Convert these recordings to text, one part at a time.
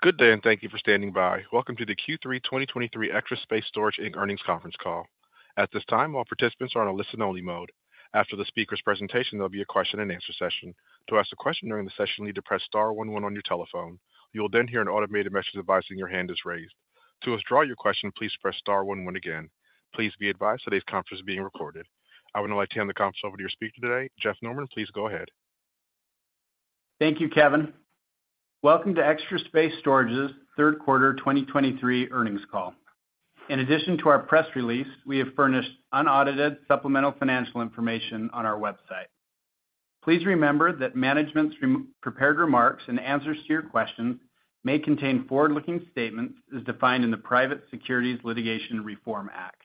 Good day, and thank you for standing by. Welcome to the Q3 2023 Extra Space Storage Inc. Earnings Conference Call. At this time, all participants are on a listen-only mode. After the speaker's presentation, there'll be a question-and-answer session. To ask a question during the session, you need to press star one one on your telephone. You will then hear an automated message advising your hand is raised. To withdraw your question, please press star one one again. Please be advised today's conference is being recorded. I would now like to hand the conference over to your speaker today, Jeff Norman. Please go ahead. Thank you, Kevin. Welcome to Extra Space Storage's third quarter 2023 earnings call. In addition to our press release, we have furnished unaudited supplemental financial information on our website. Please remember that management's prepared remarks and answers to your questions may contain forward-looking statements as defined in the Private Securities Litigation Reform Act.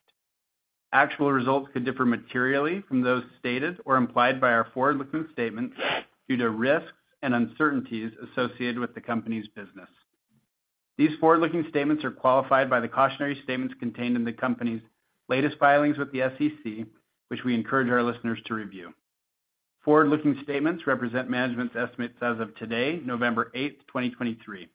Actual results could differ materially from those stated or implied by our forward-looking statements due to risks and uncertainties associated with the company's business. These forward-looking statements are qualified by the cautionary statements contained in the company's latest filings with the SEC, which we encourage our listeners to review. Forward-looking statements represent management's estimates as of today, November 8, 2023.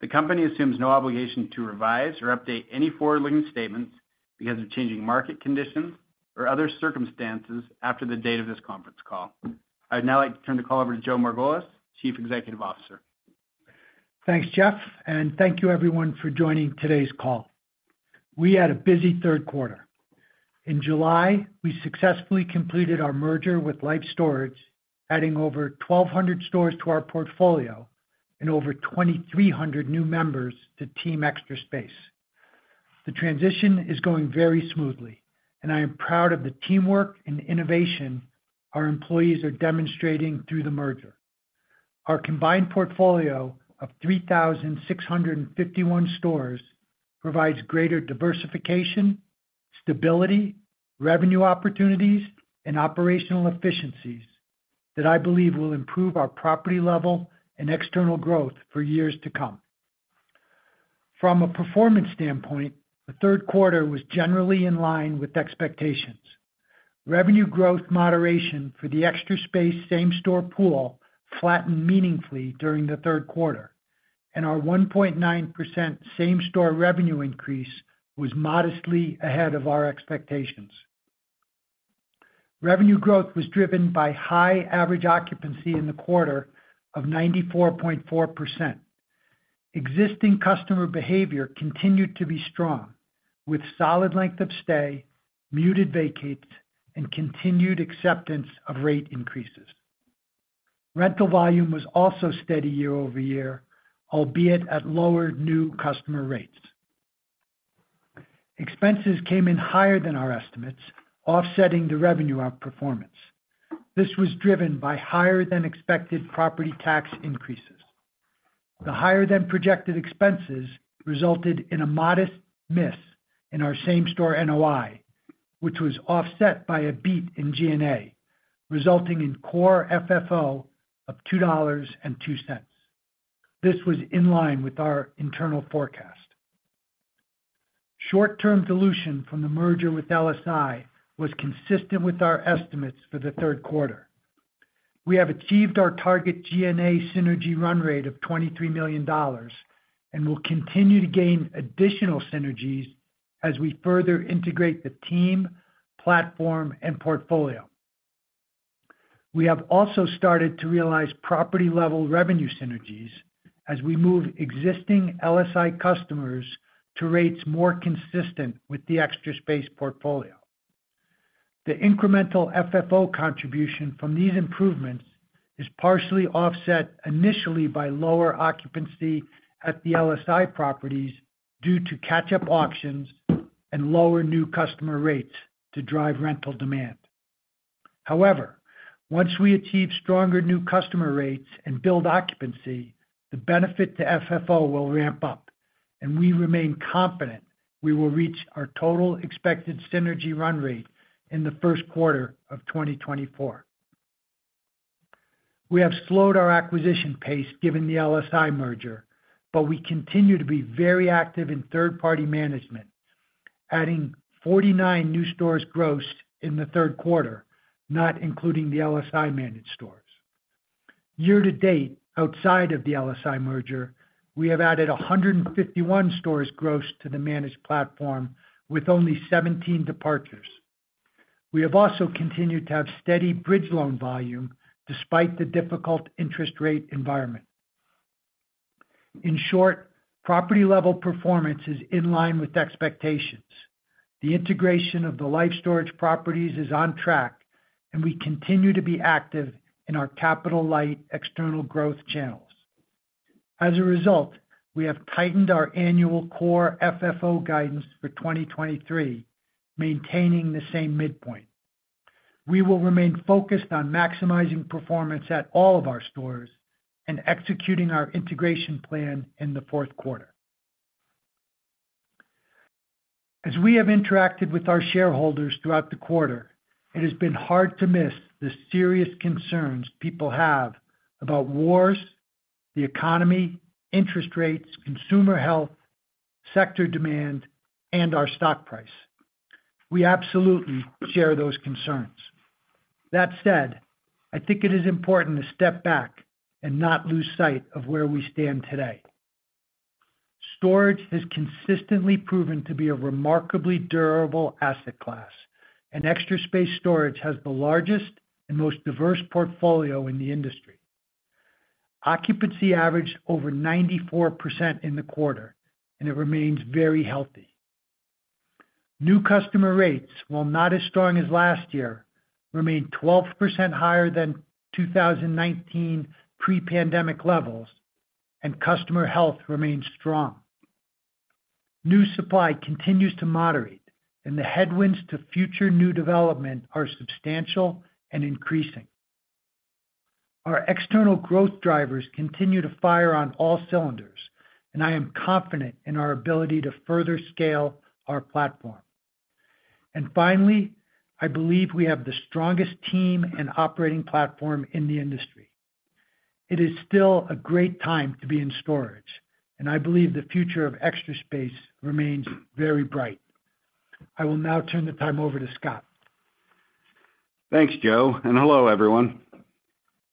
The company assumes no obligation to revise or update any forward-looking statements because of changing market conditions or other circumstances after the date of this conference call. I'd now like to turn the call over to Joe Margolis, Chief Executive Officer. Thanks, Jeff, and thank you everyone for joining today's call. We had a busy third quarter. In July, we successfully completed our merger with Life Storage, adding over 1,200 stores to our portfolio and over 2,300 new members to Team Extra Space. The transition is going very smoothly, and I am proud of the teamwork and innovation our employees are demonstrating through the merger. Our combined portfolio of 3,651 stores provides greater diversification, stability, revenue opportunities, and operational efficiencies that I believe will improve our property level and external growth for years to come. From a performance standpoint, the third quarter was generally in line with expectations. Revenue growth moderation for the Extra Space same-store pool flattened meaningfully during the third quarter, and our 1.9% same-store revenue increase was modestly ahead of our expectations. Revenue growth was driven by high average occupancy in the quarter of 94.4%. Existing customer behavior continued to be strong, with solid length of stay, muted vacates, and continued acceptance of rate increases. Rental volume was also steady year-over-year, albeit at lower new customer rates. Expenses came in higher than our estimates, offsetting the revenue outperformance. This was driven by higher-than-expected property tax increases. The higher-than-projected expenses resulted in a modest miss in our same-store NOI, which was offset by a beat in G&A, resulting in core FFO of $2.02. This was in line with our internal forecast. Short-term dilution from the merger with LSI was consistent with our estimates for the third quarter. We have achieved our target G&A synergy run rate of $23 million and will continue to gain additional synergies as we further integrate the team, platform, and portfolio. We have also started to realize property-level revenue synergies as we move existing LSI customers to rates more consistent with the Extra Space portfolio. The incremental FFO contribution from these improvements is partially offset initially by lower occupancy at the LSI properties due to catch-up auctions and lower new customer rates to drive rental demand. However, once we achieve stronger new customer rates and build occupancy, the benefit to FFO will ramp up, and we remain confident we will reach our total expected synergy run rate in the first quarter of 2024. We have slowed our acquisition pace given the LSI merger, but we continue to be very active in third-party management, adding 49 new stores gross in the third quarter, not including the LSI managed stores. Year to date, outside of the LSI merger, we have added 151 stores gross to the managed platform, with only 17 departures. We have also continued to have steady bridge loan volume despite the difficult interest rate environment. In short, property-level performance is in line with expectations. The integration of the Life Storage properties is on track, and we continue to be active in our capital-light external growth channels. As a result, we have tightened our annual core FFO guidance for 2023, maintaining the same midpoint. We will remain focused on maximizing performance at all of our stores and executing our integration plan in the fourth quarter. As we have interacted with our shareholders throughout the quarter, it has been hard to miss the serious concerns people have about wars, the economy, interest rates, consumer health, sector demand, and our stock price.... We absolutely share those concerns. That said, I think it is important to step back and not lose sight of where we stand today. Storage has consistently proven to be a remarkably durable asset class, and Extra Space Storage has the largest and most diverse portfolio in the industry. Occupancy averaged over 94% in the quarter, and it remains very healthy. New customer rates, while not as strong as last year, remain 12% higher than 2019 pre-pandemic levels, and customer health remains strong. New supply continues to moderate, and the headwinds to future new development are substantial and increasing. Our external growth drivers continue to fire on all cylinders, and I am confident in our ability to further scale our platform. And finally, I believe we have the strongest team and operating platform in the industry. It is still a great time to be in storage, and I believe the future of Extra Space remains very bright. I will now turn the time over to Scott. Thanks, Joe, and hello, everyone.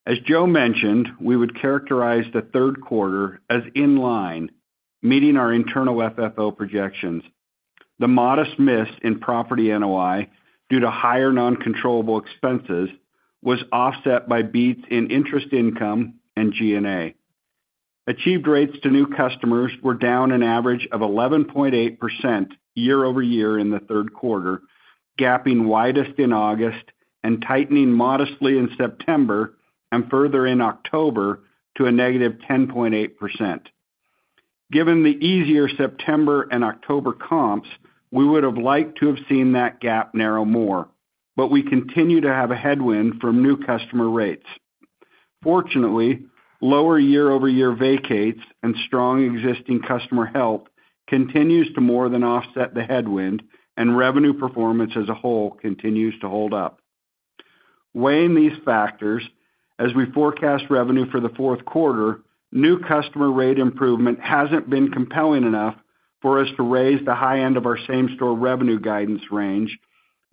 As Joe mentioned, we would characterize the third quarter as in line, meeting our internal FFO projections. The modest miss in property NOI, due to higher non-controllable expenses, was offset by beats in interest income and G&A. Achieved rates to new customers were down an average of 11.8% year-over-year in the third quarter, gapping widest in August and tightening modestly in September and further in October to a negative 10.8%. Given the easier September and October comps, we would have liked to have seen that gap narrow more, but we continue to have a headwind from new customer rates. Fortunately, lower year-over-year vacates and strong existing customer health continues to more than offset the headwind, and revenue performance as a whole continues to hold up. Weighing these factors, as we forecast revenue for the fourth quarter, new customer rate improvement hasn't been compelling enough for us to raise the high end of our same-store revenue guidance range,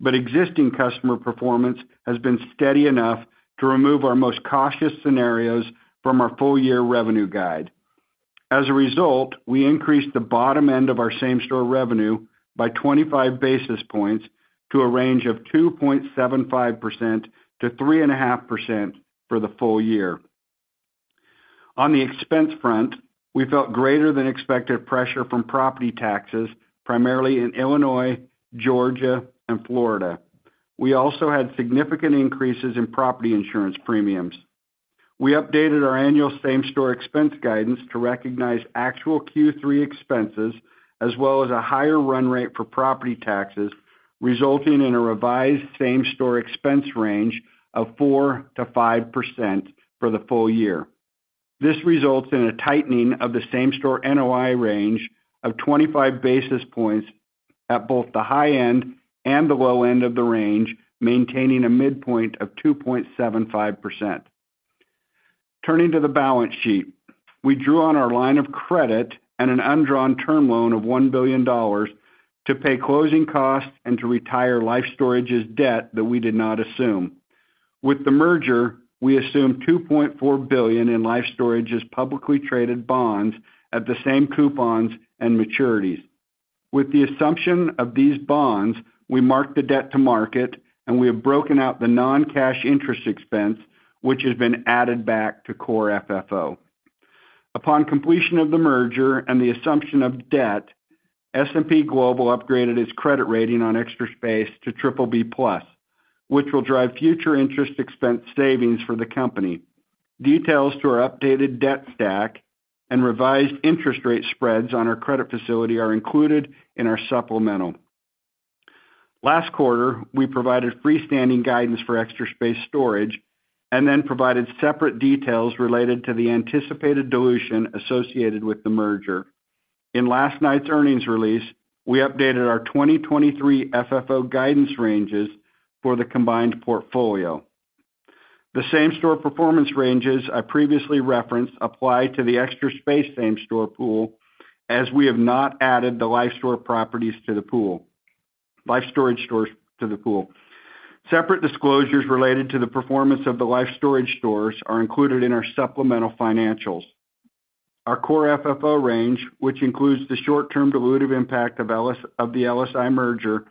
but existing customer performance has been steady enough to remove our most cautious scenarios from our full-year revenue guide. As a result, we increased the bottom end of our same-store revenue by 25 basis points to a range of 2.75%-3.5% for the full year. On the expense front, we felt greater than expected pressure from property taxes, primarily in Illinois, Georgia, and Florida. We also had significant increases in property insurance premiums. We updated our annual same-store expense guidance to recognize actual Q3 expenses, as well as a higher run rate for property taxes, resulting in a revised same-store expense range of 4%-5% for the full year. This results in a tightening of the same-store NOI range of 25 basis points at both the high end and the low end of the range, maintaining a midpoint of 2.75%. Turning to the balance sheet, we drew on our line of credit and an undrawn term loan of $1 billion to pay closing costs and to retire Life Storage's debt that we did not assume. With the merger, we assumed $2.4 billion in Life Storage's publicly traded bonds at the same coupons and maturities. With the assumption of these bonds, we marked the debt to market, and we have broken out the non-cash interest expense, which has been added back to core FFO. Upon completion of the merger and the assumption of debt, S&P Global upgraded its credit rating on Extra Space to BBB+, which will drive future interest expense savings for the company. Details to our updated debt stack and revised interest rate spreads on our credit facility are included in our supplemental. Last quarter, we provided freestanding guidance for Extra Space Storage, and then provided separate details related to the anticipated dilution associated with the merger. In last night's earnings release, we updated our 2023 FFO guidance ranges for the combined portfolio. The same-store performance ranges I previously referenced apply to the Extra Space same-store pool, as we have not added the Life Storage stores to the pool. Separate disclosures related to the performance of the Life Storage stores are included in our supplemental financials. Our core FFO range, which includes the short-term dilutive impact of the LSI merger,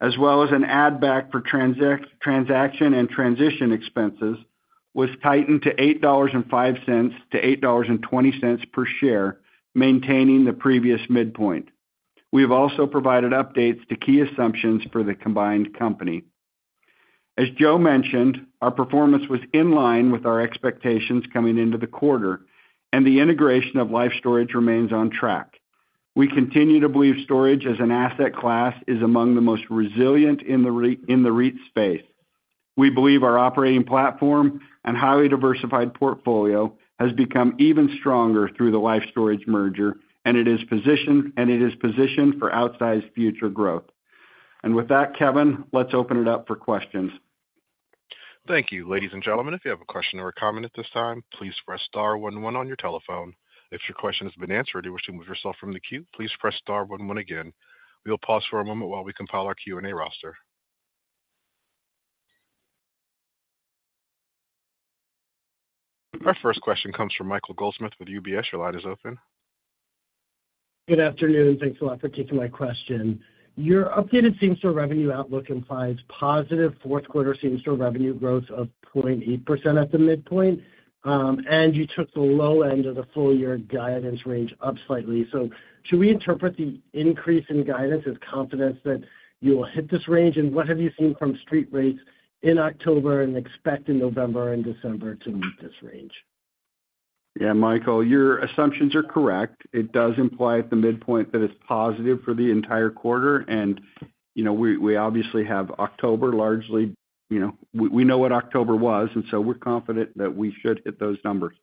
as well as an add-back for transaction and transition expenses, was tightened to $8.05-$8.20 per share, maintaining the previous midpoint. We have also provided updates to key assumptions for the combined company. As Joe mentioned, our performance was in line with our expectations coming into the quarter, and the integration of Life Storage remains on track. We continue to believe storage as an asset class is among the most resilient in the REIT space. We believe our operating platform and highly diversified portfolio has become even stronger through the Life Storage merger, and it is positioned for outsized future growth. With that, Kevin, let's open it up for questions.... Thank you. Ladies and gentlemen, if you have a question or a comment at this time, please press star one one on your telephone. If your question has been answered, or you wish to move yourself from the queue, please press star one one again. We will pause for a moment while we compile our Q&A roster. Our first question comes from Michael Goldsmith with UBS. Your line is open. Good afternoon, thanks a lot for taking my question. Your updated same-store revenue outlook implies positive fourth quarter same-store revenue growth of 0.8% at the midpoint, and you took the low end of the full year guidance range up slightly. So should we interpret the increase in guidance as confidence that you will hit this range? And what have you seen from street rates in October and expect in November and December to meet this range? Yeah, Michael, your assumptions are correct. It does imply at the midpoint that it's positive for the entire quarter. And, you know, we obviously have October largely, you know, we know what October was, and so we're confident that we should hit those numbers.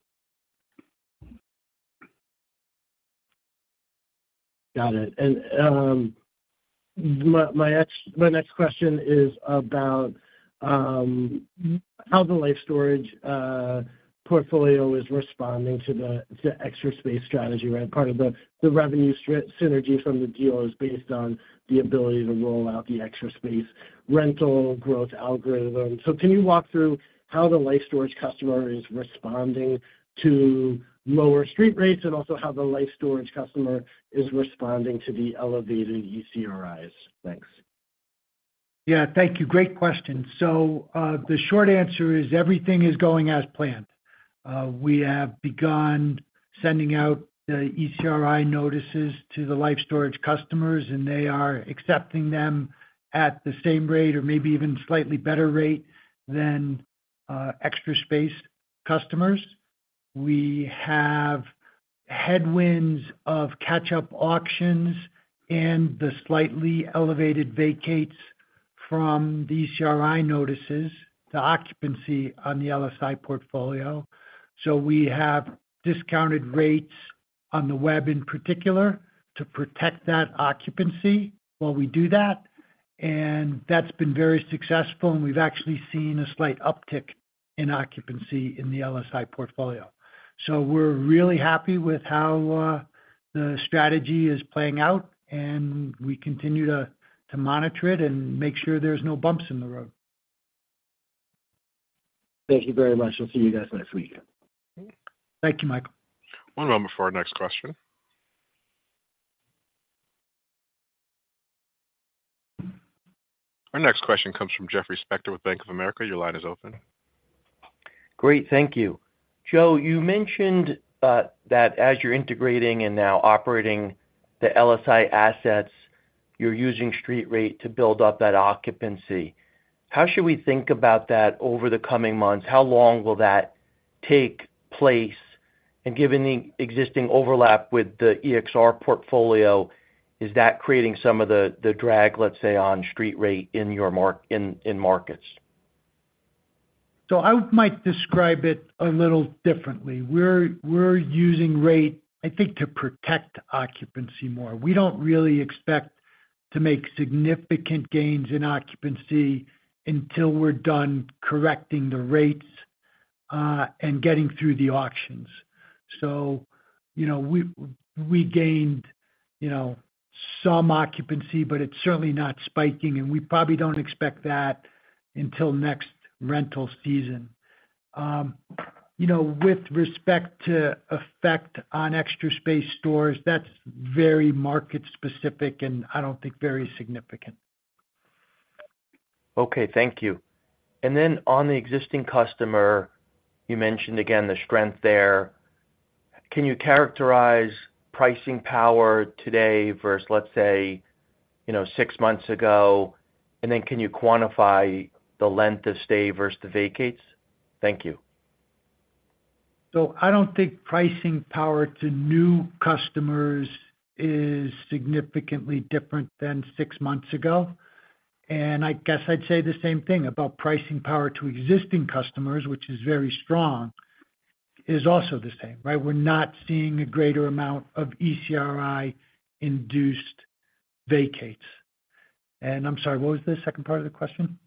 Got it. And my next question is about how the Life Storage portfolio is responding to the Extra Space strategy, right? Part of the revenue synergy from the deal is based on the ability to roll out the Extra Space rental growth algorithm. So can you walk through how the Life Storage customer is responding to lower street rates, and also how the Life Storage customer is responding to the elevated ECRIs? Thanks. Yeah, thank you. Great question. So, the short answer is everything is going as planned. We have begun sending out the ECRI notices to the Life Storage customers, and they are accepting them at the same rate or maybe even slightly better rate than, Extra Space customers. We have headwinds of catch-up auctions and the slightly elevated vacates from the ECRI notices to occupancy on the LSI portfolio. So we have discounted rates on the web, in particular, to protect that occupancy while we do that, and that's been very successful, and we've actually seen a slight uptick in occupancy in the LSI portfolio. So we're really happy with how, the strategy is playing out, and we continue to monitor it and make sure there's no bumps in the road. Thank you very much. I'll see you guys next week. Thank you, Michael. One moment before our next question. Our next question comes from Jeffrey Spector with Bank of America. Your line is open. Great, thank you. Joe, you mentioned that as you're integrating and now operating the LSI assets, you're using street rate to build up that occupancy. How should we think about that over the coming months? How long will that take place? And given the existing overlap with the EXR portfolio, is that creating some of the drag, let's say, on street rate in your markets? So I might describe it a little differently. We're, we're using rate, I think, to protect occupancy more. We don't really expect to make significant gains in occupancy until we're done correcting the rates, and getting through the auctions. So, you know, we, we gained, you know, some occupancy, but it's certainly not spiking, and we probably don't expect that until next rental season. You know, with respect to effect on Extra Space stores, that's very market specific and I don't think very significant. Okay, thank you. And then on the existing customer, you mentioned again the strength there. Can you characterize pricing power today versus, let's say, you know, six months ago? And then can you quantify the length of stay versus the vacates? Thank you. So I don't think pricing power to new customers is significantly different than six months ago. And I guess I'd say the same thing about pricing power to existing customers, which is very strong, is also the same, right? We're not seeing a greater amount of ECRI-induced vacates. And I'm sorry, what was the second part of the question?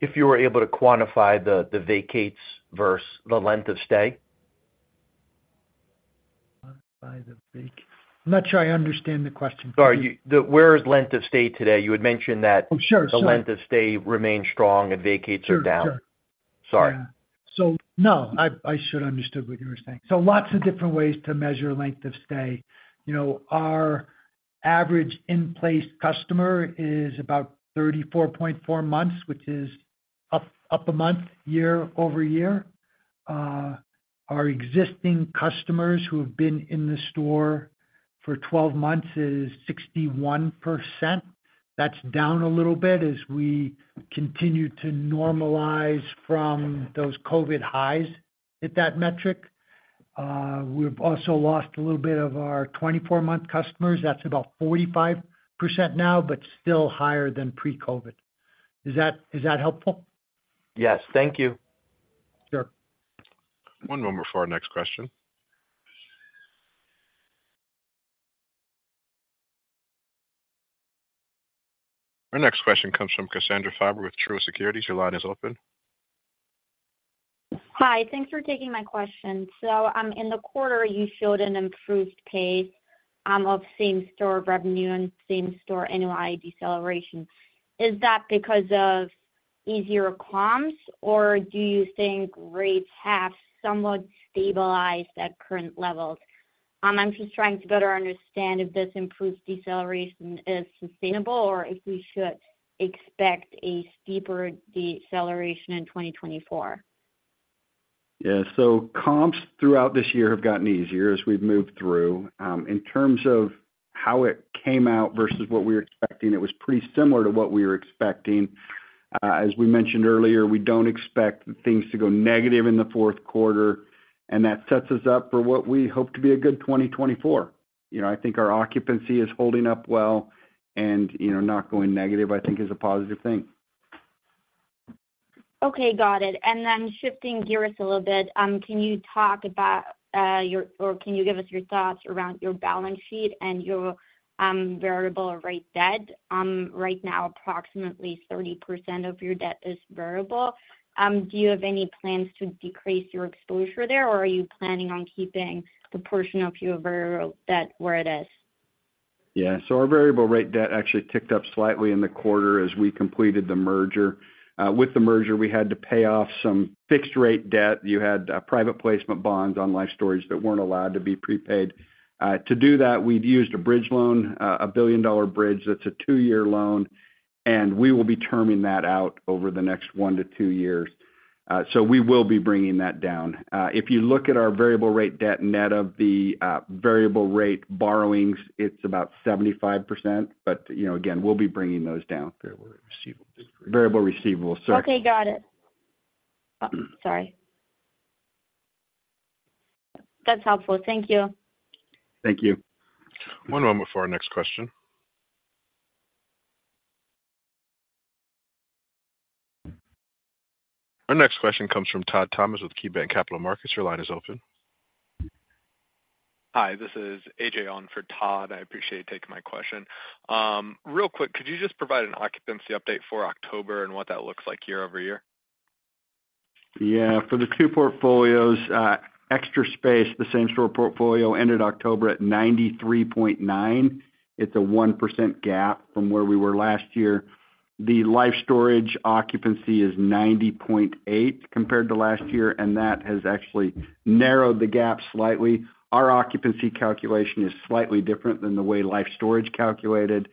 If you were able to quantify the vacates versus the length of stay. I'm not sure I understand the question. Sorry, where is length of stay today? You had mentioned that- Oh, sure. The length of stay remains strong and vacancies are down. Sure. Sorry. Yeah. So no, I should have understood what you were saying. So lots of different ways to measure length of stay. You know, our average in-place customer is about 34.4 months, which is up 1 month year-over-year. Our existing customers who have been in the store for 12 months is 61%. That's down a little bit as we continue to normalize from those COVID highs at that metric. We've also lost a little bit of our 24-month customers. That's about 45% now, but still higher than pre-COVID. Is that helpful? Yes. Thank you. Sure. One moment before our next question. Our next question comes from Cassandra Cassandra Izzi with Truist Securities. Your line is open. Hi, thanks for taking my question. So, in the quarter, you showed an improved pace of same-store revenue and same-store NOI deceleration. Is that because of easier comps, or do you think rates have somewhat stabilized at current levels? I'm just trying to better understand if this improved deceleration is sustainable or if we should expect a steeper deceleration in 2024. Yeah, so comps throughout this year have gotten easier as we've moved through. In terms of how it came out versus what we were expecting, it was pretty similar to what we were expecting. As we mentioned earlier, we don't expect things to go negative in the fourth quarter, and that sets us up for what we hope to be a good 2024. You know, I think our occupancy is holding up well and, you know, not going negative, I think, is a positive thing. Okay, got it. And then shifting gears a little bit, can you talk about, your... or can you give us your thoughts around your balance sheet and your, variable rate debt? Right now, approximately 30% of your debt is variable. Do you have any plans to decrease your exposure there, or are you planning on keeping the portion of your variable debt where it is? Yeah. So our variable rate debt actually ticked up slightly in the quarter as we completed the merger. With the merger, we had to pay off some fixed rate debt. You had private placement bonds on Life Storage that weren't allowed to be prepaid. To do that, we've used a bridge loan, a billion-dollar bridge. That's a 2-year loan, and we will be terming that out over the next 1-2 years. So we will be bringing that down. If you look at our variable rate debt net of the variable rate borrowings, it's about 75%, but, you know, again, we'll be bringing those down. Variable receivables. Variable receivables, sorry. Okay, got it. Sorry. That's helpful. Thank you. Thank you. One moment for our next question. Our next question comes from Todd Thomas with KeyBanc Capital Markets. Your line is open. Hi, this is AJ on for Todd. I appreciate you taking my question. Real quick, could you just provide an occupancy update for October and what that looks like year-over-year? Yeah. For the two portfolios, Extra Space, the same-store portfolio ended October at 93.9. It's a 1% gap from where we were last year. The Life Storage occupancy is 90.8 compared to last year, and that has actually narrowed the gap slightly. Our occupancy calculation is slightly different than the way Life Storage calculated.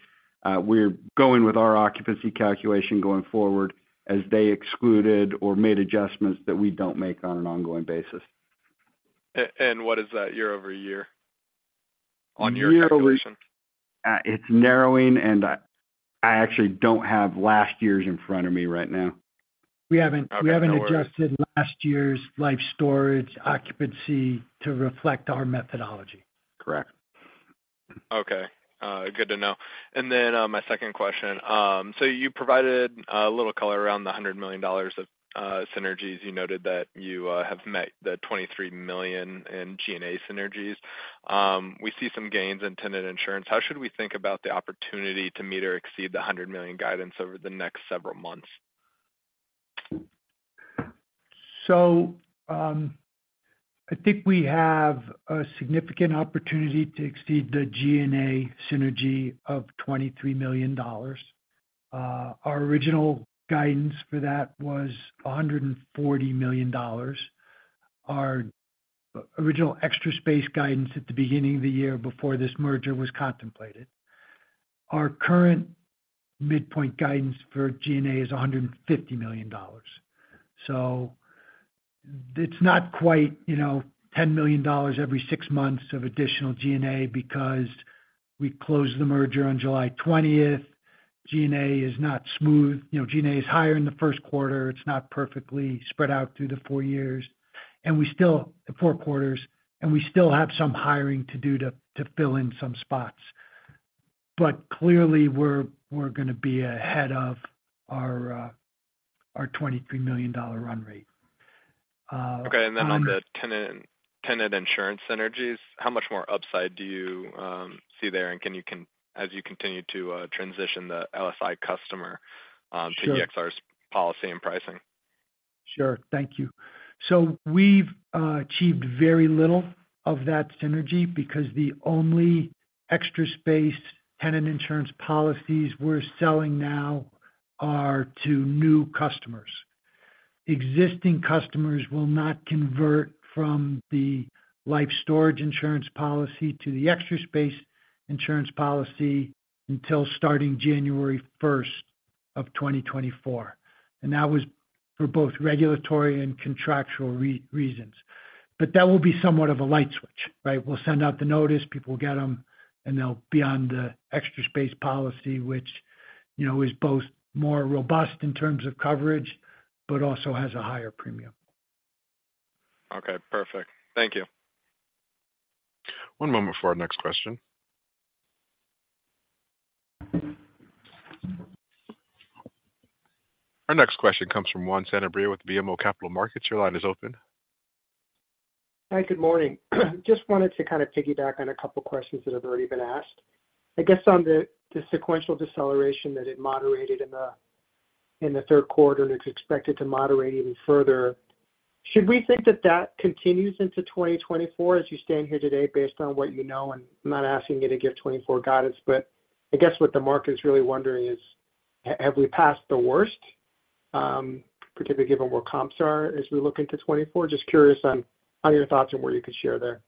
We're going with our occupancy calculation going forward as they excluded or made adjustments that we don't make on an ongoing basis. And what is that year-over-year on your calculation? It's narrowing, and I actually don't have last year's in front of me right now. We haven't adjusted last year's Life Storage occupancy to reflect our methodology. Correct. Okay, good to know. And then, my second question. So you provided a little color around the $100 million of synergies. You noted that you have met the $23 million in G&A synergies. We see some gains in tenant insurance. How should we think about the opportunity to meet or exceed the $100 million guidance over the next several months? So, I think we have a significant opportunity to exceed the G&A synergy of $23 million. Our original guidance for that was $140 million. Our original Extra Space guidance at the beginning of the year before this merger was contemplated. Our current midpoint guidance for G&A is $150 million. So it's not quite, you know, $10 million every six months of additional G&A because we closed the merger on July twentieth. G&A is not smooth. You know, G&A is higher in the first quarter. It's not perfectly spread out through the four quarters, and we still have some hiring to do to fill in some spots. But clearly, we're gonna be ahead of our $23 million run rate. Okay. And then on the tenant insurance synergies, how much more upside do you see there, and can you comment as you continue to transition the LSI customer to EXR's policy and pricing? Sure. Thank you. So we've achieved very little of that synergy because the only Extra Space tenant insurance policies we're selling now are to new customers. Existing customers will not convert from the Life Storage insurance policy to the Extra Space insurance policy until starting January 1, 2024, and that was for both regulatory and contractual reasons. But that will be somewhat of a light switch, right? We'll send out the notice, people will get them, and they'll be on the Extra Space policy, which, you know, is both more robust in terms of coverage, but also has a higher premium. Okay, perfect. Thank you. One moment before our next question. Our next question comes from Juan Sanabria with BMO Capital Markets. Your line is open. Hi, good morning. Just wanted to kind of piggyback on a couple questions that have already been asked. I guess on the sequential deceleration that it moderated in the third quarter, and it's expected to moderate even further. Should we think that that continues into 2024 as you stand here today based on what you know? And I'm not asking you to give 2024 guidance, but I guess what the market is really wondering is, have we passed the worst, particularly given where comps are as we look into 2024? Just curious on your thoughts and what you could share there.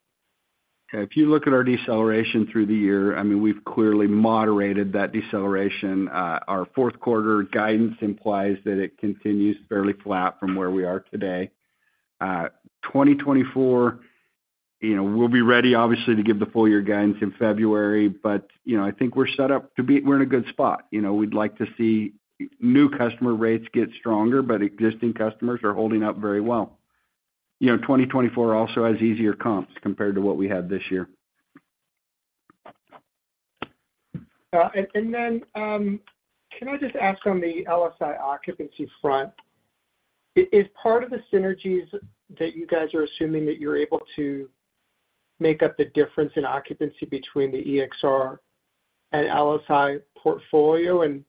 If you look at our deceleration through the year, I mean, we've clearly moderated that deceleration. Our fourth quarter guidance implies that it continues fairly flat from where we are today. 2024, you know, we'll be ready, obviously, to give the full year guidance in February, but, you know, I think we're set up to be. We're in a good spot. You know, we'd like to see new customer rates get stronger, but existing customers are holding up very well. You know, 2024 also has easier comps compared to what we had this year. And then, can I just ask on the LSI occupancy front, is part of the synergies that you guys are assuming that you're able to make up the difference in occupancy between the EXR and LSI portfolio? And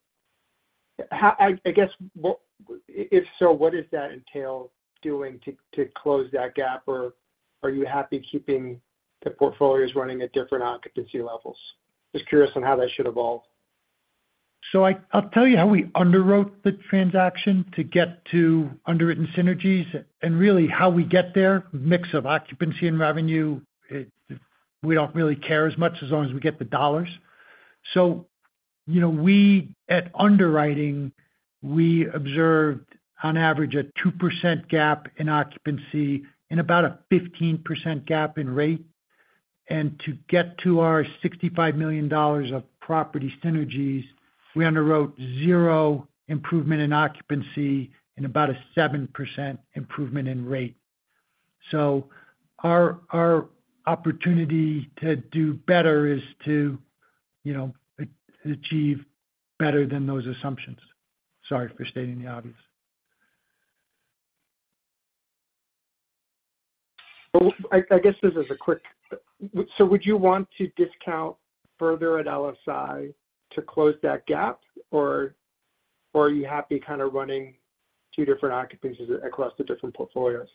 how... I guess, what, if so, what does that entail doing to close that gap, or are you happy keeping the portfolios running at different occupancy levels? Just curious on how that should evolve. So I, I'll tell you how we underwrote the transaction to get to underwritten synergies and really how we get there, mix of occupancy and revenue, we don't really care as much as long as we get the dollars. So you know, we, at underwriting, we observed on average a 2% gap in occupancy and about a 15% gap in rate. And to get to our $65 million of property synergies, we underwrote zero improvement in occupancy and about a 7% improvement in rate. So our, our opportunity to do better is to, you know, achieve better than those assumptions. Sorry for stating the obvious. Well, so would you want to discount further at LSI to close that gap, or, or are you happy kind of running two different occupancies across the different portfolios?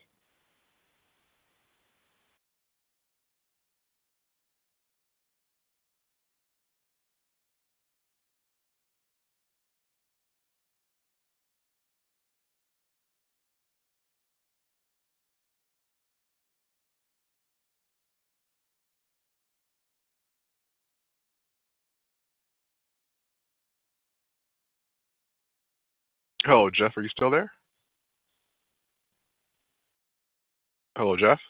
Hello, Jeff, are you still there? Hello, Jeff?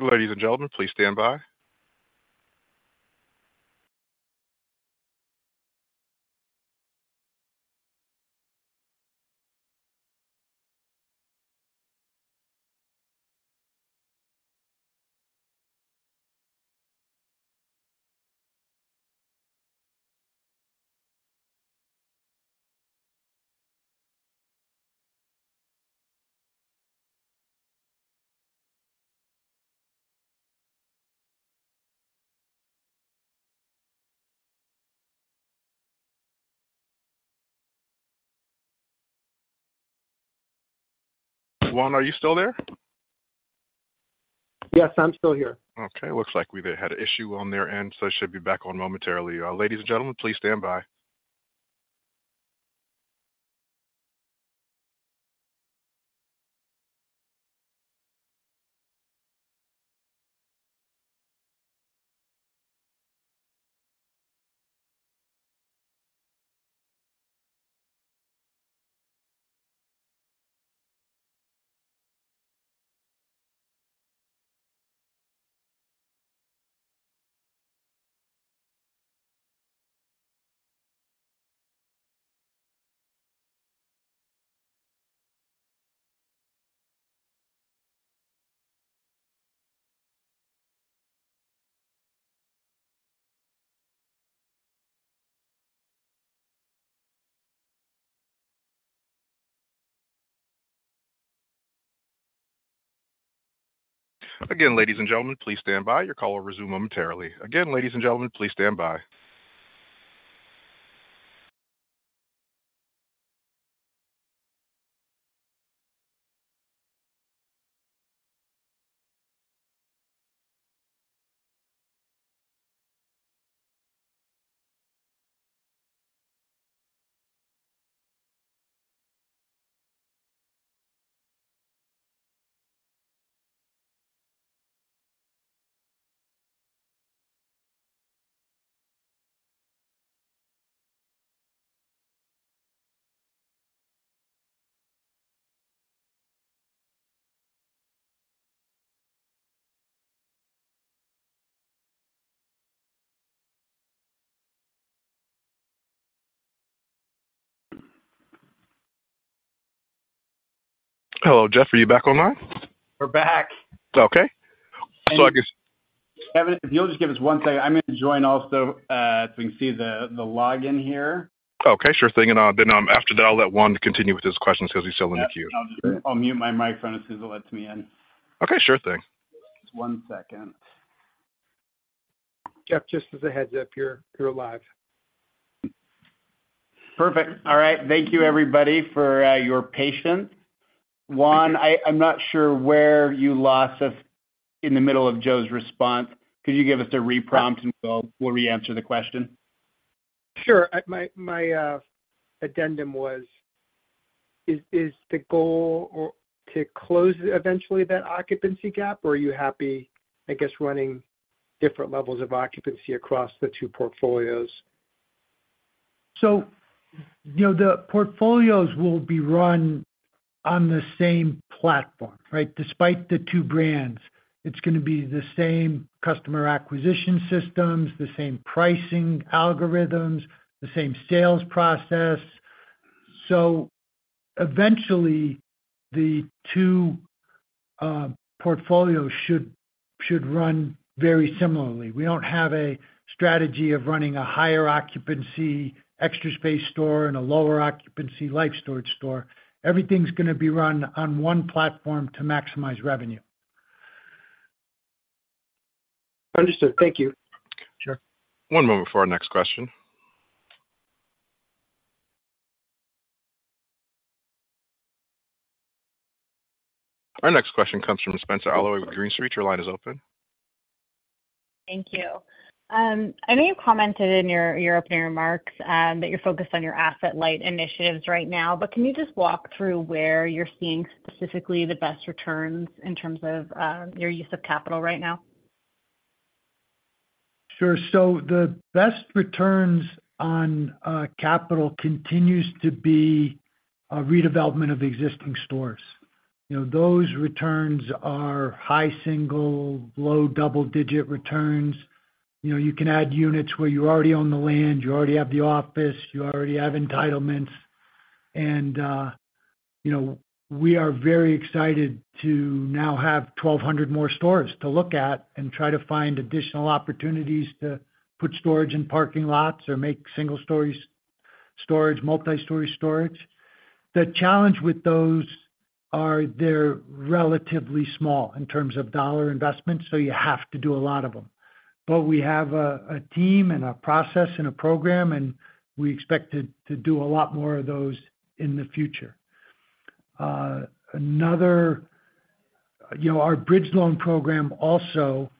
Ladies and gentlemen, please stand by. Juan, are you still there? Yes, I'm still here. Okay, looks like we may had an issue on their end, so should be back on momentarily. Ladies and gentlemen, please stand by. Again, ladies and gentlemen, please stand by. Your call will resume momentarily. Again, ladies and gentlemen, please stand by. ... Hello, Jeff, are you back online? We're back. Okay. So I guess- Kevin, if you'll just give us one second, I'm gonna join also, so we can see the login here. Okay, sure thing. Then, after that, I'll let Juan continue with his questions because he's still in the queue. I'll mute my microphone as soon as it lets me in. Okay, sure thing. Just one second. Jeff, just as a heads up, you're live. Perfect. All right. Thank you everybody for your patience. Juan, I'm not sure where you lost us in the middle of Joe's response. Could you give us a re-prompt, and we'll reanswer the question? Sure. My addendum is the goal or to close eventually that occupancy gap, or are you happy, I guess, running different levels of occupancy across the two portfolios? So, you know, the portfolios will be run on the same platform, right? Despite the two brands, it's gonna be the same customer acquisition systems, the same pricing algorithms, the same sales process. So eventually, the two portfolios should run very similarly. We don't have a strategy of running a higher occupancy Extra Space store and a lower occupancy Life Storage store. Everything's gonna be run on one platform to maximize revenue. Understood. Thank you. Sure. One moment before our next question. Our next question comes from Spenser Allaway with Green Street. Your line is open. Thank you. I know you commented in your, your opening remarks, that you're focused on your asset-light initiatives right now, but can you just walk through where you're seeing specifically the best returns in terms of, your use of capital right now? Sure. So the best returns on capital continues to be a redevelopment of existing stores. You know, those returns are high single, low double-digit returns. You know, you can add units where you already own the land, you already have the office, you already have entitlements, and you know, we are very excited to now have 1,200 more stores to look at and try to find additional opportunities to put storage in parking lots or make single-story storage, multi-story storage. The challenge with those are they're relatively small in terms of dollar investment, so you have to do a lot of them. But we have a team and a process and a program, and we expect to do a lot more of those in the future. Another, you know, our bridge loan program also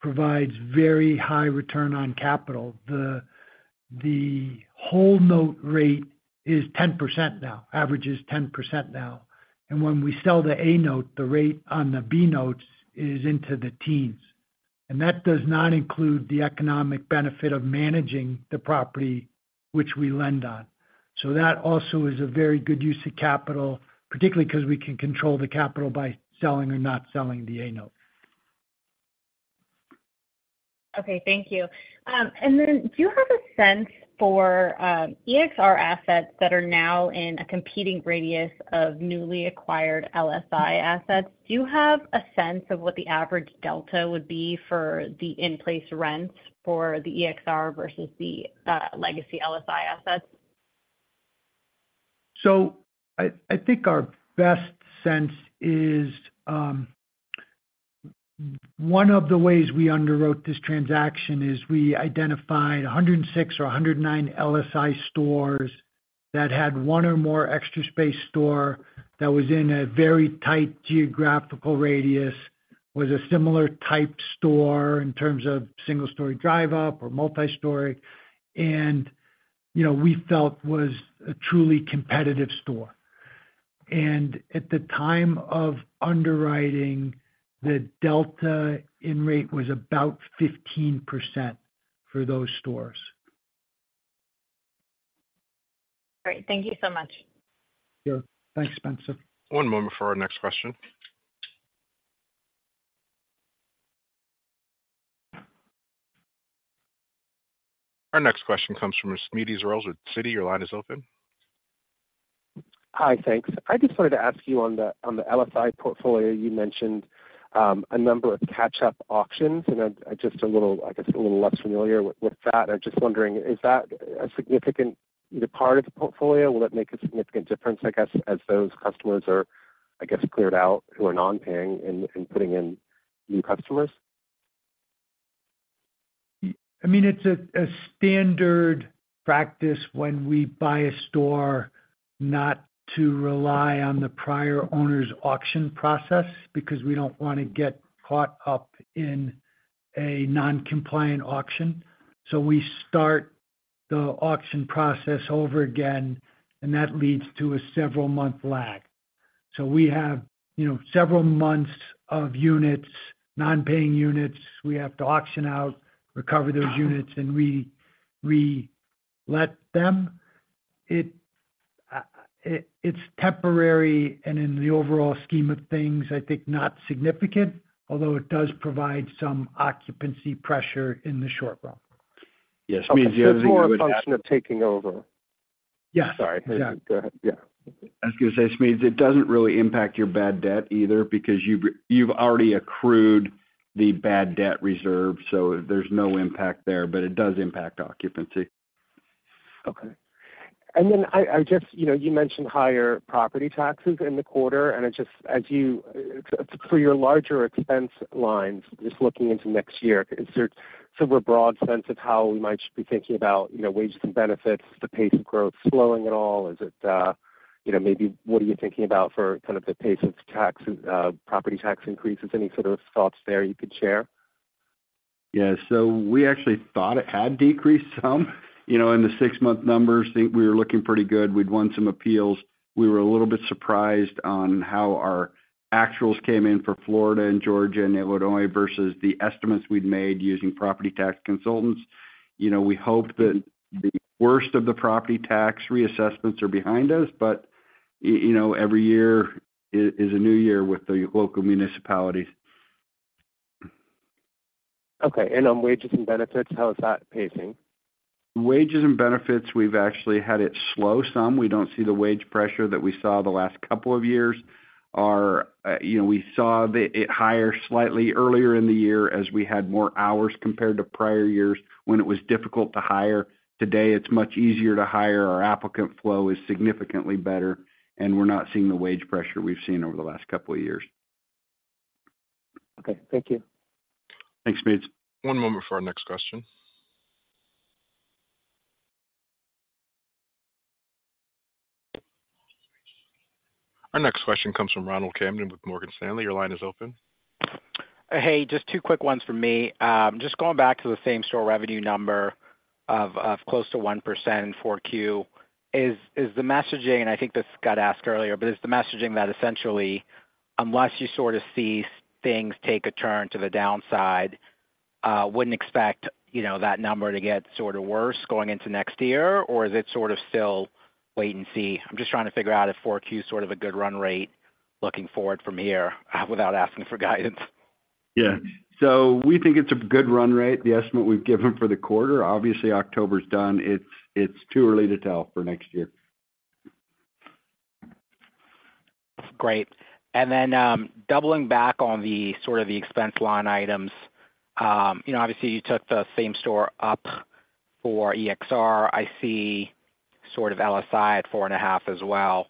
provides very high return on capital. The whole note rate is 10% now, averages 10% now, and when we sell the A note, the rate on the B notes is into the teens, and that does not include the economic benefit of managing the property which we lend on. So that also is a very good use of capital, particularly because we can control the capital by selling or not selling the A note. Okay, thank you. And then, do you have a sense for EXR assets that are now in a competing radius of newly acquired LSI assets? Do you have a sense of what the average delta would be for the in-place rents for the EXR versus the legacy LSI assets? So I think our best sense is, one of the ways we underwrote this transaction is we identified 106 or 109 LSI stores that had one or more Extra Space store that was in a very tight geographical radius, was a similar type store in terms of single-story drive-up or multi-story, and, you know, we felt was a truly competitive store. And at the time of underwriting, the delta in rate was about 15% for those stores. Great. Thank you so much. Sure. Thanks, Spencer. One moment for our next question. Our next question comes from Smedes Rose with Citi. Your line is open. Hi, thanks. I just wanted to ask you on the LSI portfolio, you mentioned a number of catch-up auctions, and I'm just a little, I guess, a little less familiar with that. I'm just wondering, is that a significant part of the portfolio? Will it make a significant difference, I guess, as those customers are, I guess, cleared out, who are non-paying and putting in new customers? I mean, it's a standard practice when we buy a store not to rely on the prior owner's auction process, because we don't want to get caught up in a non-compliant auction. So we start the auction process over again, and that leads to a several-month lag. So we have, you know, several months of units, non-paying units, we have to auction out, recover those units, and relet them. It, it, it's temporary and in the overall scheme of things, I think, not significant, although it does provide some occupancy pressure in the short run. Yes, it's more a function of taking over. Yeah. Sorry. Yeah, go ahead. Yeah. I was gonna say, Smedes, it doesn't really impact your bad debt either, because you've already accrued the bad debt reserve, so there's no impact there, but it does impact occupancy. Okay. And then I just, you know, you mentioned higher property taxes in the quarter, and it just as you—for your larger expense lines, just looking into next year, is there sort of a broad sense of how we might be thinking about, you know, wages and benefits, the pace of growth slowing at all? Is it, you know, maybe what are you thinking about for kind of the pace of tax, property tax increases? Any sort of thoughts there you could share? Yeah, so we actually thought it had decreased some, you know, in the six-month numbers. Think we were looking pretty good. We'd won some appeals. We were a little bit surprised on how our actuals came in for Florida and Georgia and Illinois versus the estimates we'd made using property tax consultants. You know, we hope that the worst of the property tax reassessments are behind us, but, you know, every year is a new year with the local municipalities. Okay. On wages and benefits, how is that pacing? Wages and benefits, we've actually had it slow some. We don't see the wage pressure that we saw the last couple of years. Our, you know, we saw it higher slightly earlier in the year as we had more hours compared to prior years when it was difficult to hire. Today, it's much easier to hire. Our applicant flow is significantly better, and we're not seeing the wage pressure we've seen over the last couple of years. Okay, thank you. Thanks, Smeeds. One moment for our next question. Our next question comes from Ronald Kamdem with Morgan Stanley. Your line is open. Hey, just two quick ones from me. Just going back to the same-store revenue number of close to 1% in 4Q. Is the messaging, and I think this got asked earlier, but is the messaging that essentially, unless you sort of see things take a turn to the downside, wouldn't expect, you know, that number to get sort of worse going into next year? Or is it sort of still wait and see? I'm just trying to figure out if 4Q is sort of a good run rate looking forward from here, without asking for guidance. Yeah. So we think it's a good run rate, the estimate we've given for the quarter. Obviously, October's done. It's too early to tell for next year. Great. And then, doubling back on the sort of the expense line items, you know, obviously you took the same store up for EXR. I see sort of LSI at 4.5 as well.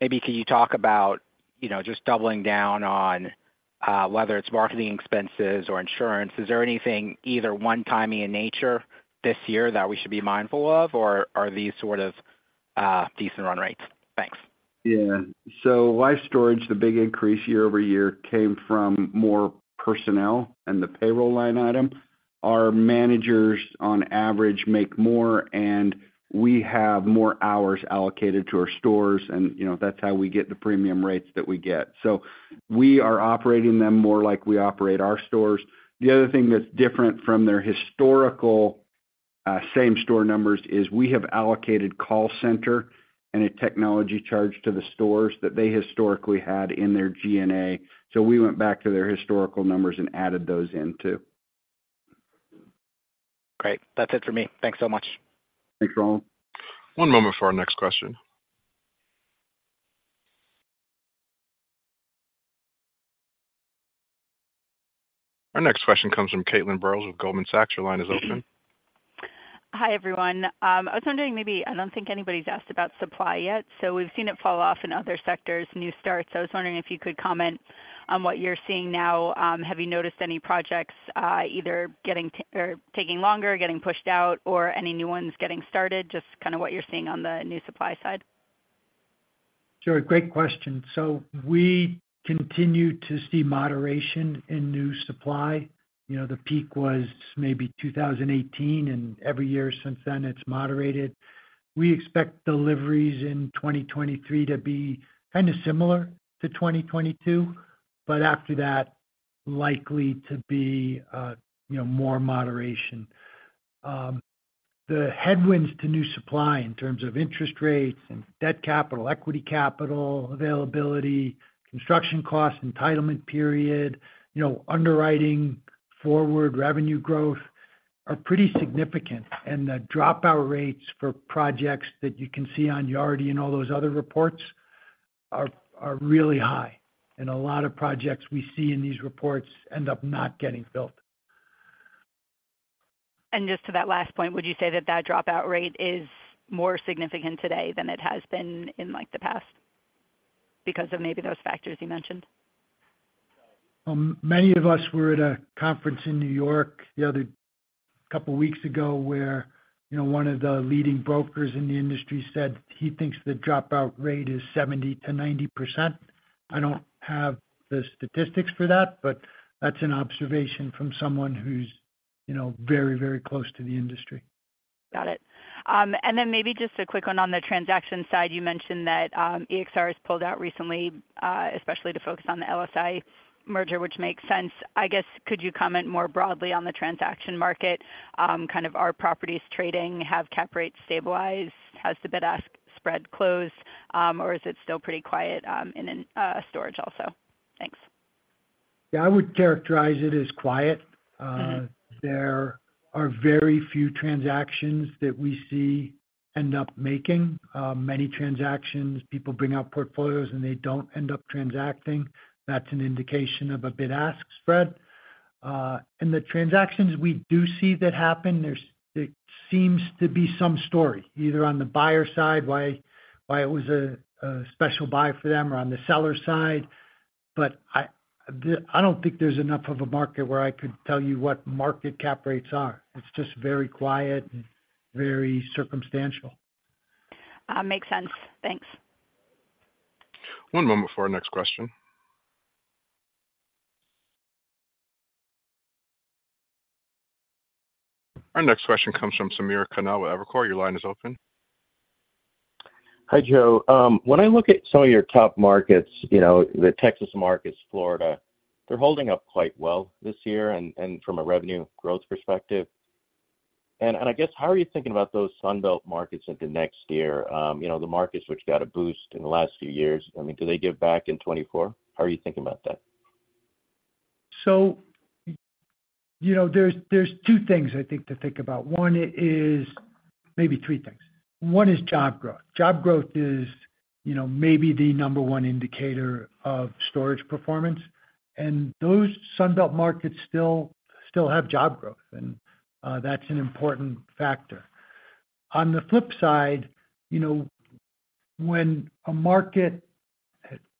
Maybe can you talk about, you know, just doubling down on, whether it's marketing expenses or insurance, is there anything, either one-time in nature this year that we should be mindful of, or are these sort of, decent run rates? Thanks. Yeah. So Life Storage, the big increase year-over-year, came from more personnel and the payroll line item. Our managers, on average, make more, and we have more hours allocated to our stores, and, you know, that's how we get the premium rates that we get. So we are operating them more like we operate our stores. The other thing that's different from their historical, same-store numbers is, we have allocated call center and a technology charge to the stores that they historically had in their G&A. So we went back to their historical numbers and added those in, too. Great. That's it for me. Thanks so much. Thanks, Ronald. One moment for our next question. Our next question comes from Caitlin Reynolds with Goldman Sachs. Your line is open. Hi, everyone. I was wondering, maybe I don't think anybody's asked about supply yet. So we've seen it fall off in other sectors, new starts. I was wondering if you could comment on what you're seeing now. Have you noticed any projects, either getting or taking longer, getting pushed out, or any new ones getting started? Just kind of what you're seeing on the new supply side. Sure, great question. So we continue to see moderation in new supply. You know, the peak was maybe 2018, and every year since then, it's moderated. We expect deliveries in 2023 to be kind of similar to 2022, but after that, likely to be, you know, more moderation. The headwinds to new supply in terms of interest rates and debt capital, equity capital availability, construction costs, entitlement period, you know, underwriting forward revenue growth, are pretty significant. And the dropout rates for projects that you can see on Yardi and all those other reports are really high. And a lot of projects we see in these reports end up not getting built. Just to that last point, would you say that that dropout rate is more significant today than it has been in, like, the past because of maybe those factors you mentioned? Many of us were at a conference in New York the other couple weeks ago, where, you know, one of the leading brokers in the industry said he thinks the dropout rate is 70%-90%. I don't have the statistics for that, but that's an observation from someone who's, you know, very, very close to the industry. Got it. And then maybe just a quick one on the transaction side. You mentioned that, EXR has pulled out recently, especially to focus on the LSI merger, which makes sense. I guess, could you comment more broadly on the transaction market? Kind of, are properties trading? Have cap rates stabilized? Has the bid-ask spread closed, or is it still pretty quiet, in storage also? Thanks.... Yeah, I would characterize it as quiet. There are very few transactions that we see end up making. Many transactions, people bring out portfolios, and they don't end up transacting. That's an indication of a bid-ask spread. And the transactions we do see that happen, there's, there seems to be some story, either on the buyer side, why, why it was a, a special buy for them, or on the seller side. But I, I don't think there's enough of a market where I could tell you what market cap rates are. It's just very quiet and very circumstantial. Makes sense. Thanks. One moment before our next question. Our next question comes from Samir Khanal with Evercore. Your line is open. Hi, Joe. When I look at some of your top markets, you know, the Texas markets, Florida, they're holding up quite well this year and, and from a revenue growth perspective. And, and I guess, how are you thinking about those Sun Belt markets into next year? You know, the markets which got a boost in the last few years, I mean, do they give back in 2024? How are you thinking about that? So, you know, there's, there's two things I think to think about. One is... Maybe three things. One is job growth. Job growth is, you know, maybe the number one indicator of storage performance, and those Sun Belt markets still, still have job growth, and, that's an important factor. On the flip side, you know, when a market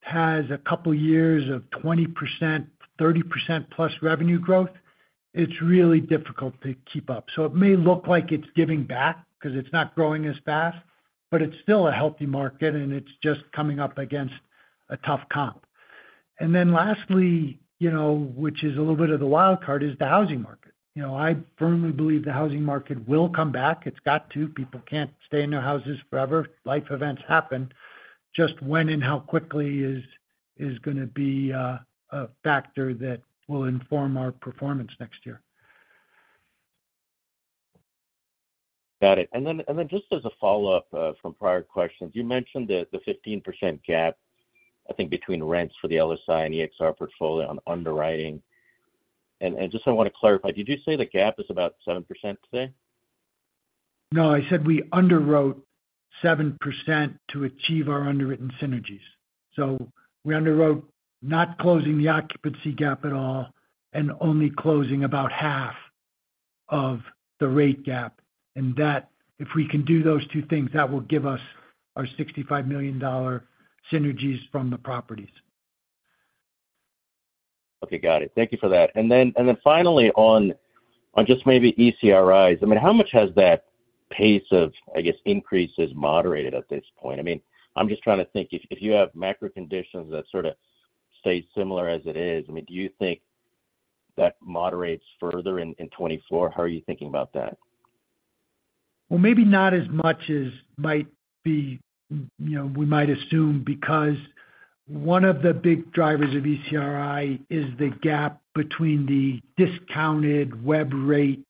has a couple of years of 20%, 30%+ revenue growth, it's really difficult to keep up. So it may look like it's giving back because it's not growing as fast, but it's still a healthy market, and it's just coming up against a tough comp. And then lastly, you know, which is a little bit of the wild card, is the housing market. You know, I firmly believe the housing market will come back. It's got to. People can't stay in their houses forever. Life events happen. Just when and how quickly is gonna be a factor that will inform our performance next year. Got it. And then just as a follow-up from prior questions, you mentioned the 15% gap, I think, between rents for the LSI and EXR portfolio on underwriting. And just I want to clarify, did you say the gap is about 7% today? No, I said we underwrote 7% to achieve our underwritten synergies. So we underwrote not closing the occupancy gap at all and only closing about half of the rate gap, and that if we can do those two things, that will give us our $65 million synergies from the properties. Okay, got it. Thank you for that. And then finally, on just maybe ECRIs, I mean, how much has that pace of, I guess, increases moderated at this point? I mean, I'm just trying to think, if you have macro conditions that sort of stay similar as it is, I mean, do you think that moderates further in 2024? How are you thinking about that? Well, maybe not as much as might be, you know, we might assume, because one of the big drivers of ECRI is the gap between the discounted web rate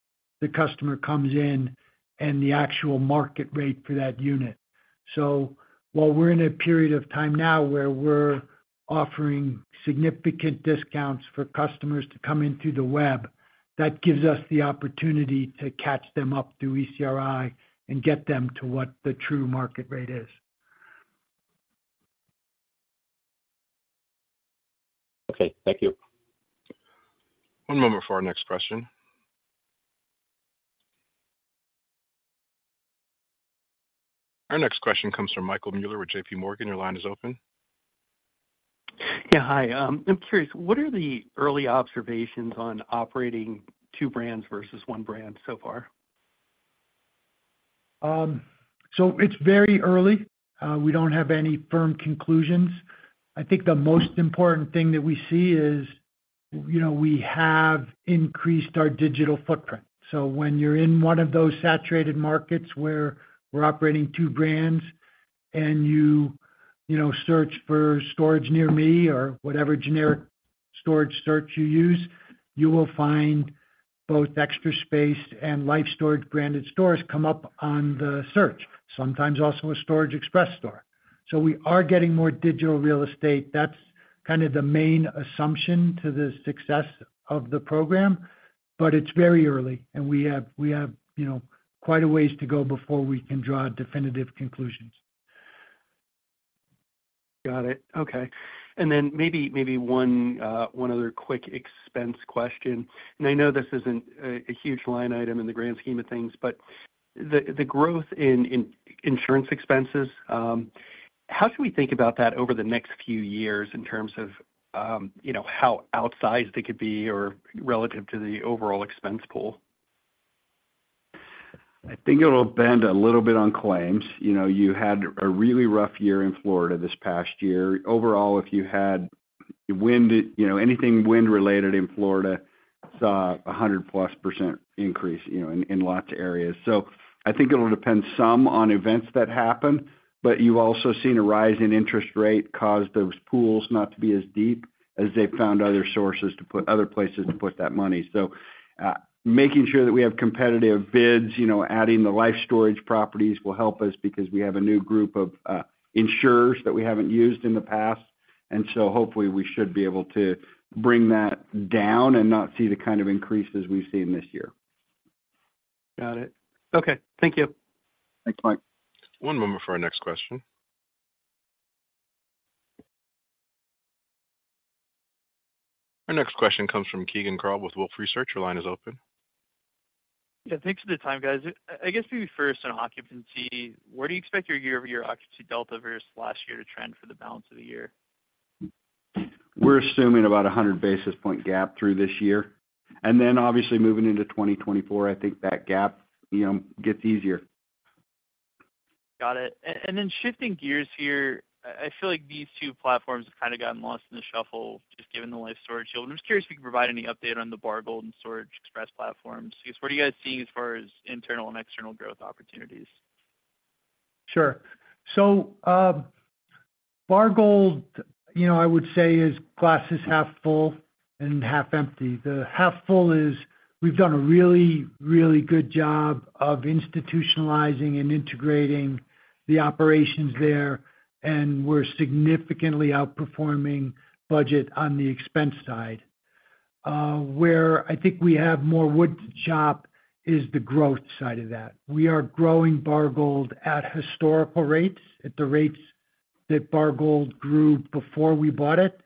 the customer comes in and the actual market rate for that unit. So while we're in a period of time now where we're offering significant discounts for customers to come in through the web, that gives us the opportunity to catch them up through ECRI and get them to what the true market rate is. Okay, thank you. One moment for our next question. Our next question comes from Michael Mueller with JP Morgan. Your line is open. Yeah, hi. I'm curious, what are the early observations on operating two brands versus one brand so far? So it's very early. We don't have any firm conclusions. I think the most important thing that we see is, you know, we have increased our digital footprint. So when you're in one of those saturated markets where we're operating two brands and you, you know, search for storage near me or whatever generic storage search you use, you will find both Extra Space and Life Storage branded stores come up on the search, sometimes also a Storage Express store. So we are getting more digital real estate. That's kind of the main assumption to the success of the program, but it's very early, and we have, we have, you know, quite a ways to go before we can draw definitive conclusions. Got it. Okay. And then maybe one other quick expense question. And I know this isn't a huge line item in the grand scheme of things, but the growth in insurance expenses, how should we think about that over the next few years in terms of, you know, how outsized it could be or relative to the overall expense pool? I think it'll bend a little bit on claims. You know, you had a really rough year in Florida this past year. Overall, if you had wind, you know, anything wind-related in Florida, saw a 100+% increase, you know, in, in lots of areas. So I think it'll depend some on events that happen, but you've also seen a rise in interest rate cause those pools not to be as deep as they've found other sources to put-- other places to put that money. So, making sure that we have competitive bids, you know, adding the Life Storage properties will help us because we have a new group of, insurers that we haven't used in the past, and so hopefully we should be able to bring that down and not see the kind of increases we've seen this year.... Got it. Okay, thank you. Thanks, Mike. One moment for our next question. Our next question comes from Keegan Carl with Wolfe Research. Your line is open. Yeah, thanks for the time, guys. I guess maybe first on occupancy, where do you expect your year-over-year occupancy delta versus last year to trend for the balance of the year? We're assuming about a 100 basis point gap through this year, and then obviously moving into 2024, I think that gap, you know, gets easier. Got it. And then shifting gears here, I feel like these two platforms have kind of gotten lost in the shuffle, just given the Life Storage deal. I'm just curious if you can provide any update on the Bargold and Storage Express platforms. Because what are you guys seeing as far as internal and external growth opportunities? Sure. So, Bargold, you know, I would say, is glass is half full and half empty. The half full is, we've done a really, really good job of institutionalizing and integrating the operations there, and we're significantly outperforming budget on the expense side. Where I think we have more wood to chop is the growth side of that. We are growing Bargold at historical rates, at the rates that Bargold grew before we bought it,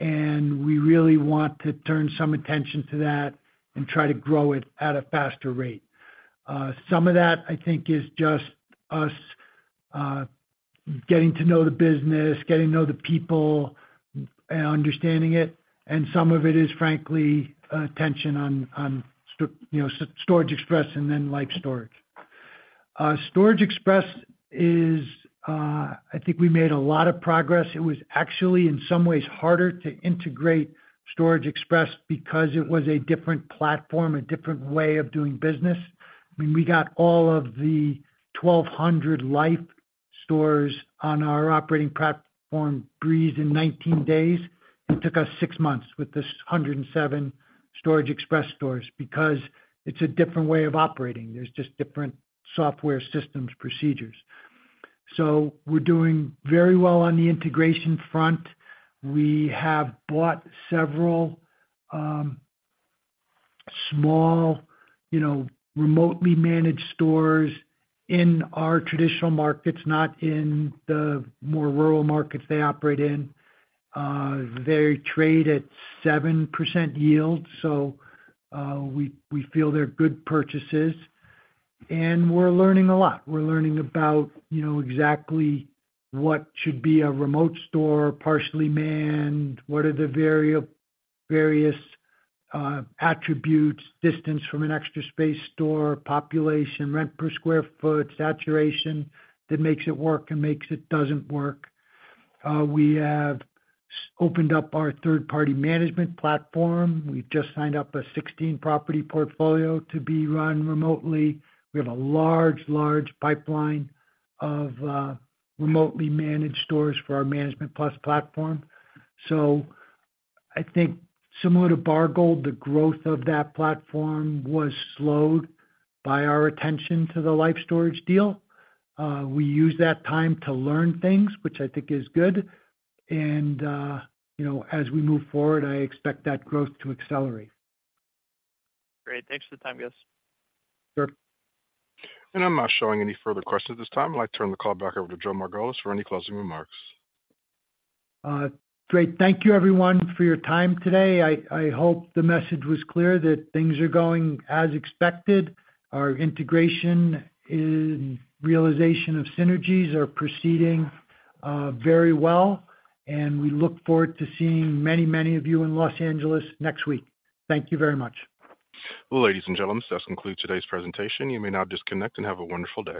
and we really want to turn some attention to that and try to grow it at a faster rate. Some of that, I think, is just us, getting to know the business, getting to know the people and understanding it, and some of it is frankly, attention on, you know, Storage Express and then Life Storage. Storage Express is, I think we made a lot of progress. It was actually in some ways harder to integrate Storage Express because it was a different platform, a different way of doing business. I mean, we got all of the 1,200 Life stores on our operating platform, Breeze, in 19 days. It took us 6 months with this 107 Storage Express stores because it's a different way of operating. There's just different software systems, procedures. So we're doing very well on the integration front. We have bought several, small, you know, remotely managed stores in our traditional markets, not in the more rural markets they operate in. They trade at 7% yield, so, we, we feel they're good purchases, and we're learning a lot. We're learning about, you know, exactly what should be a remote store, partially manned, what are the various attributes, distance from an Extra Space store, population, rent per square foot, saturation, that makes it work and makes it doesn't work. We have opened up our third-party management platform. We just signed up a 16-property portfolio to be run remotely. We have a large, large pipeline of remotely managed stores for our ManagementPlus platform. So I think similar to Bargold, the growth of that platform was slowed by our attention to the Life Storage deal. We used that time to learn things, which I think is good, and, you know, as we move forward, I expect that growth to accelerate. Great. Thanks for the time, guys. Sure. I'm not showing any further questions at this time. I'd like to turn the call back over to Joe Margolis for any closing remarks. Great. Thank you everyone for your time today. I hope the message was clear that things are going as expected. Our integration and realization of synergies are proceeding very well, and we look forward to seeing many, many of you in Los Angeles next week. Thank you very much. Well, ladies and gentlemen, this concludes today's presentation. You may now disconnect and have a wonderful day.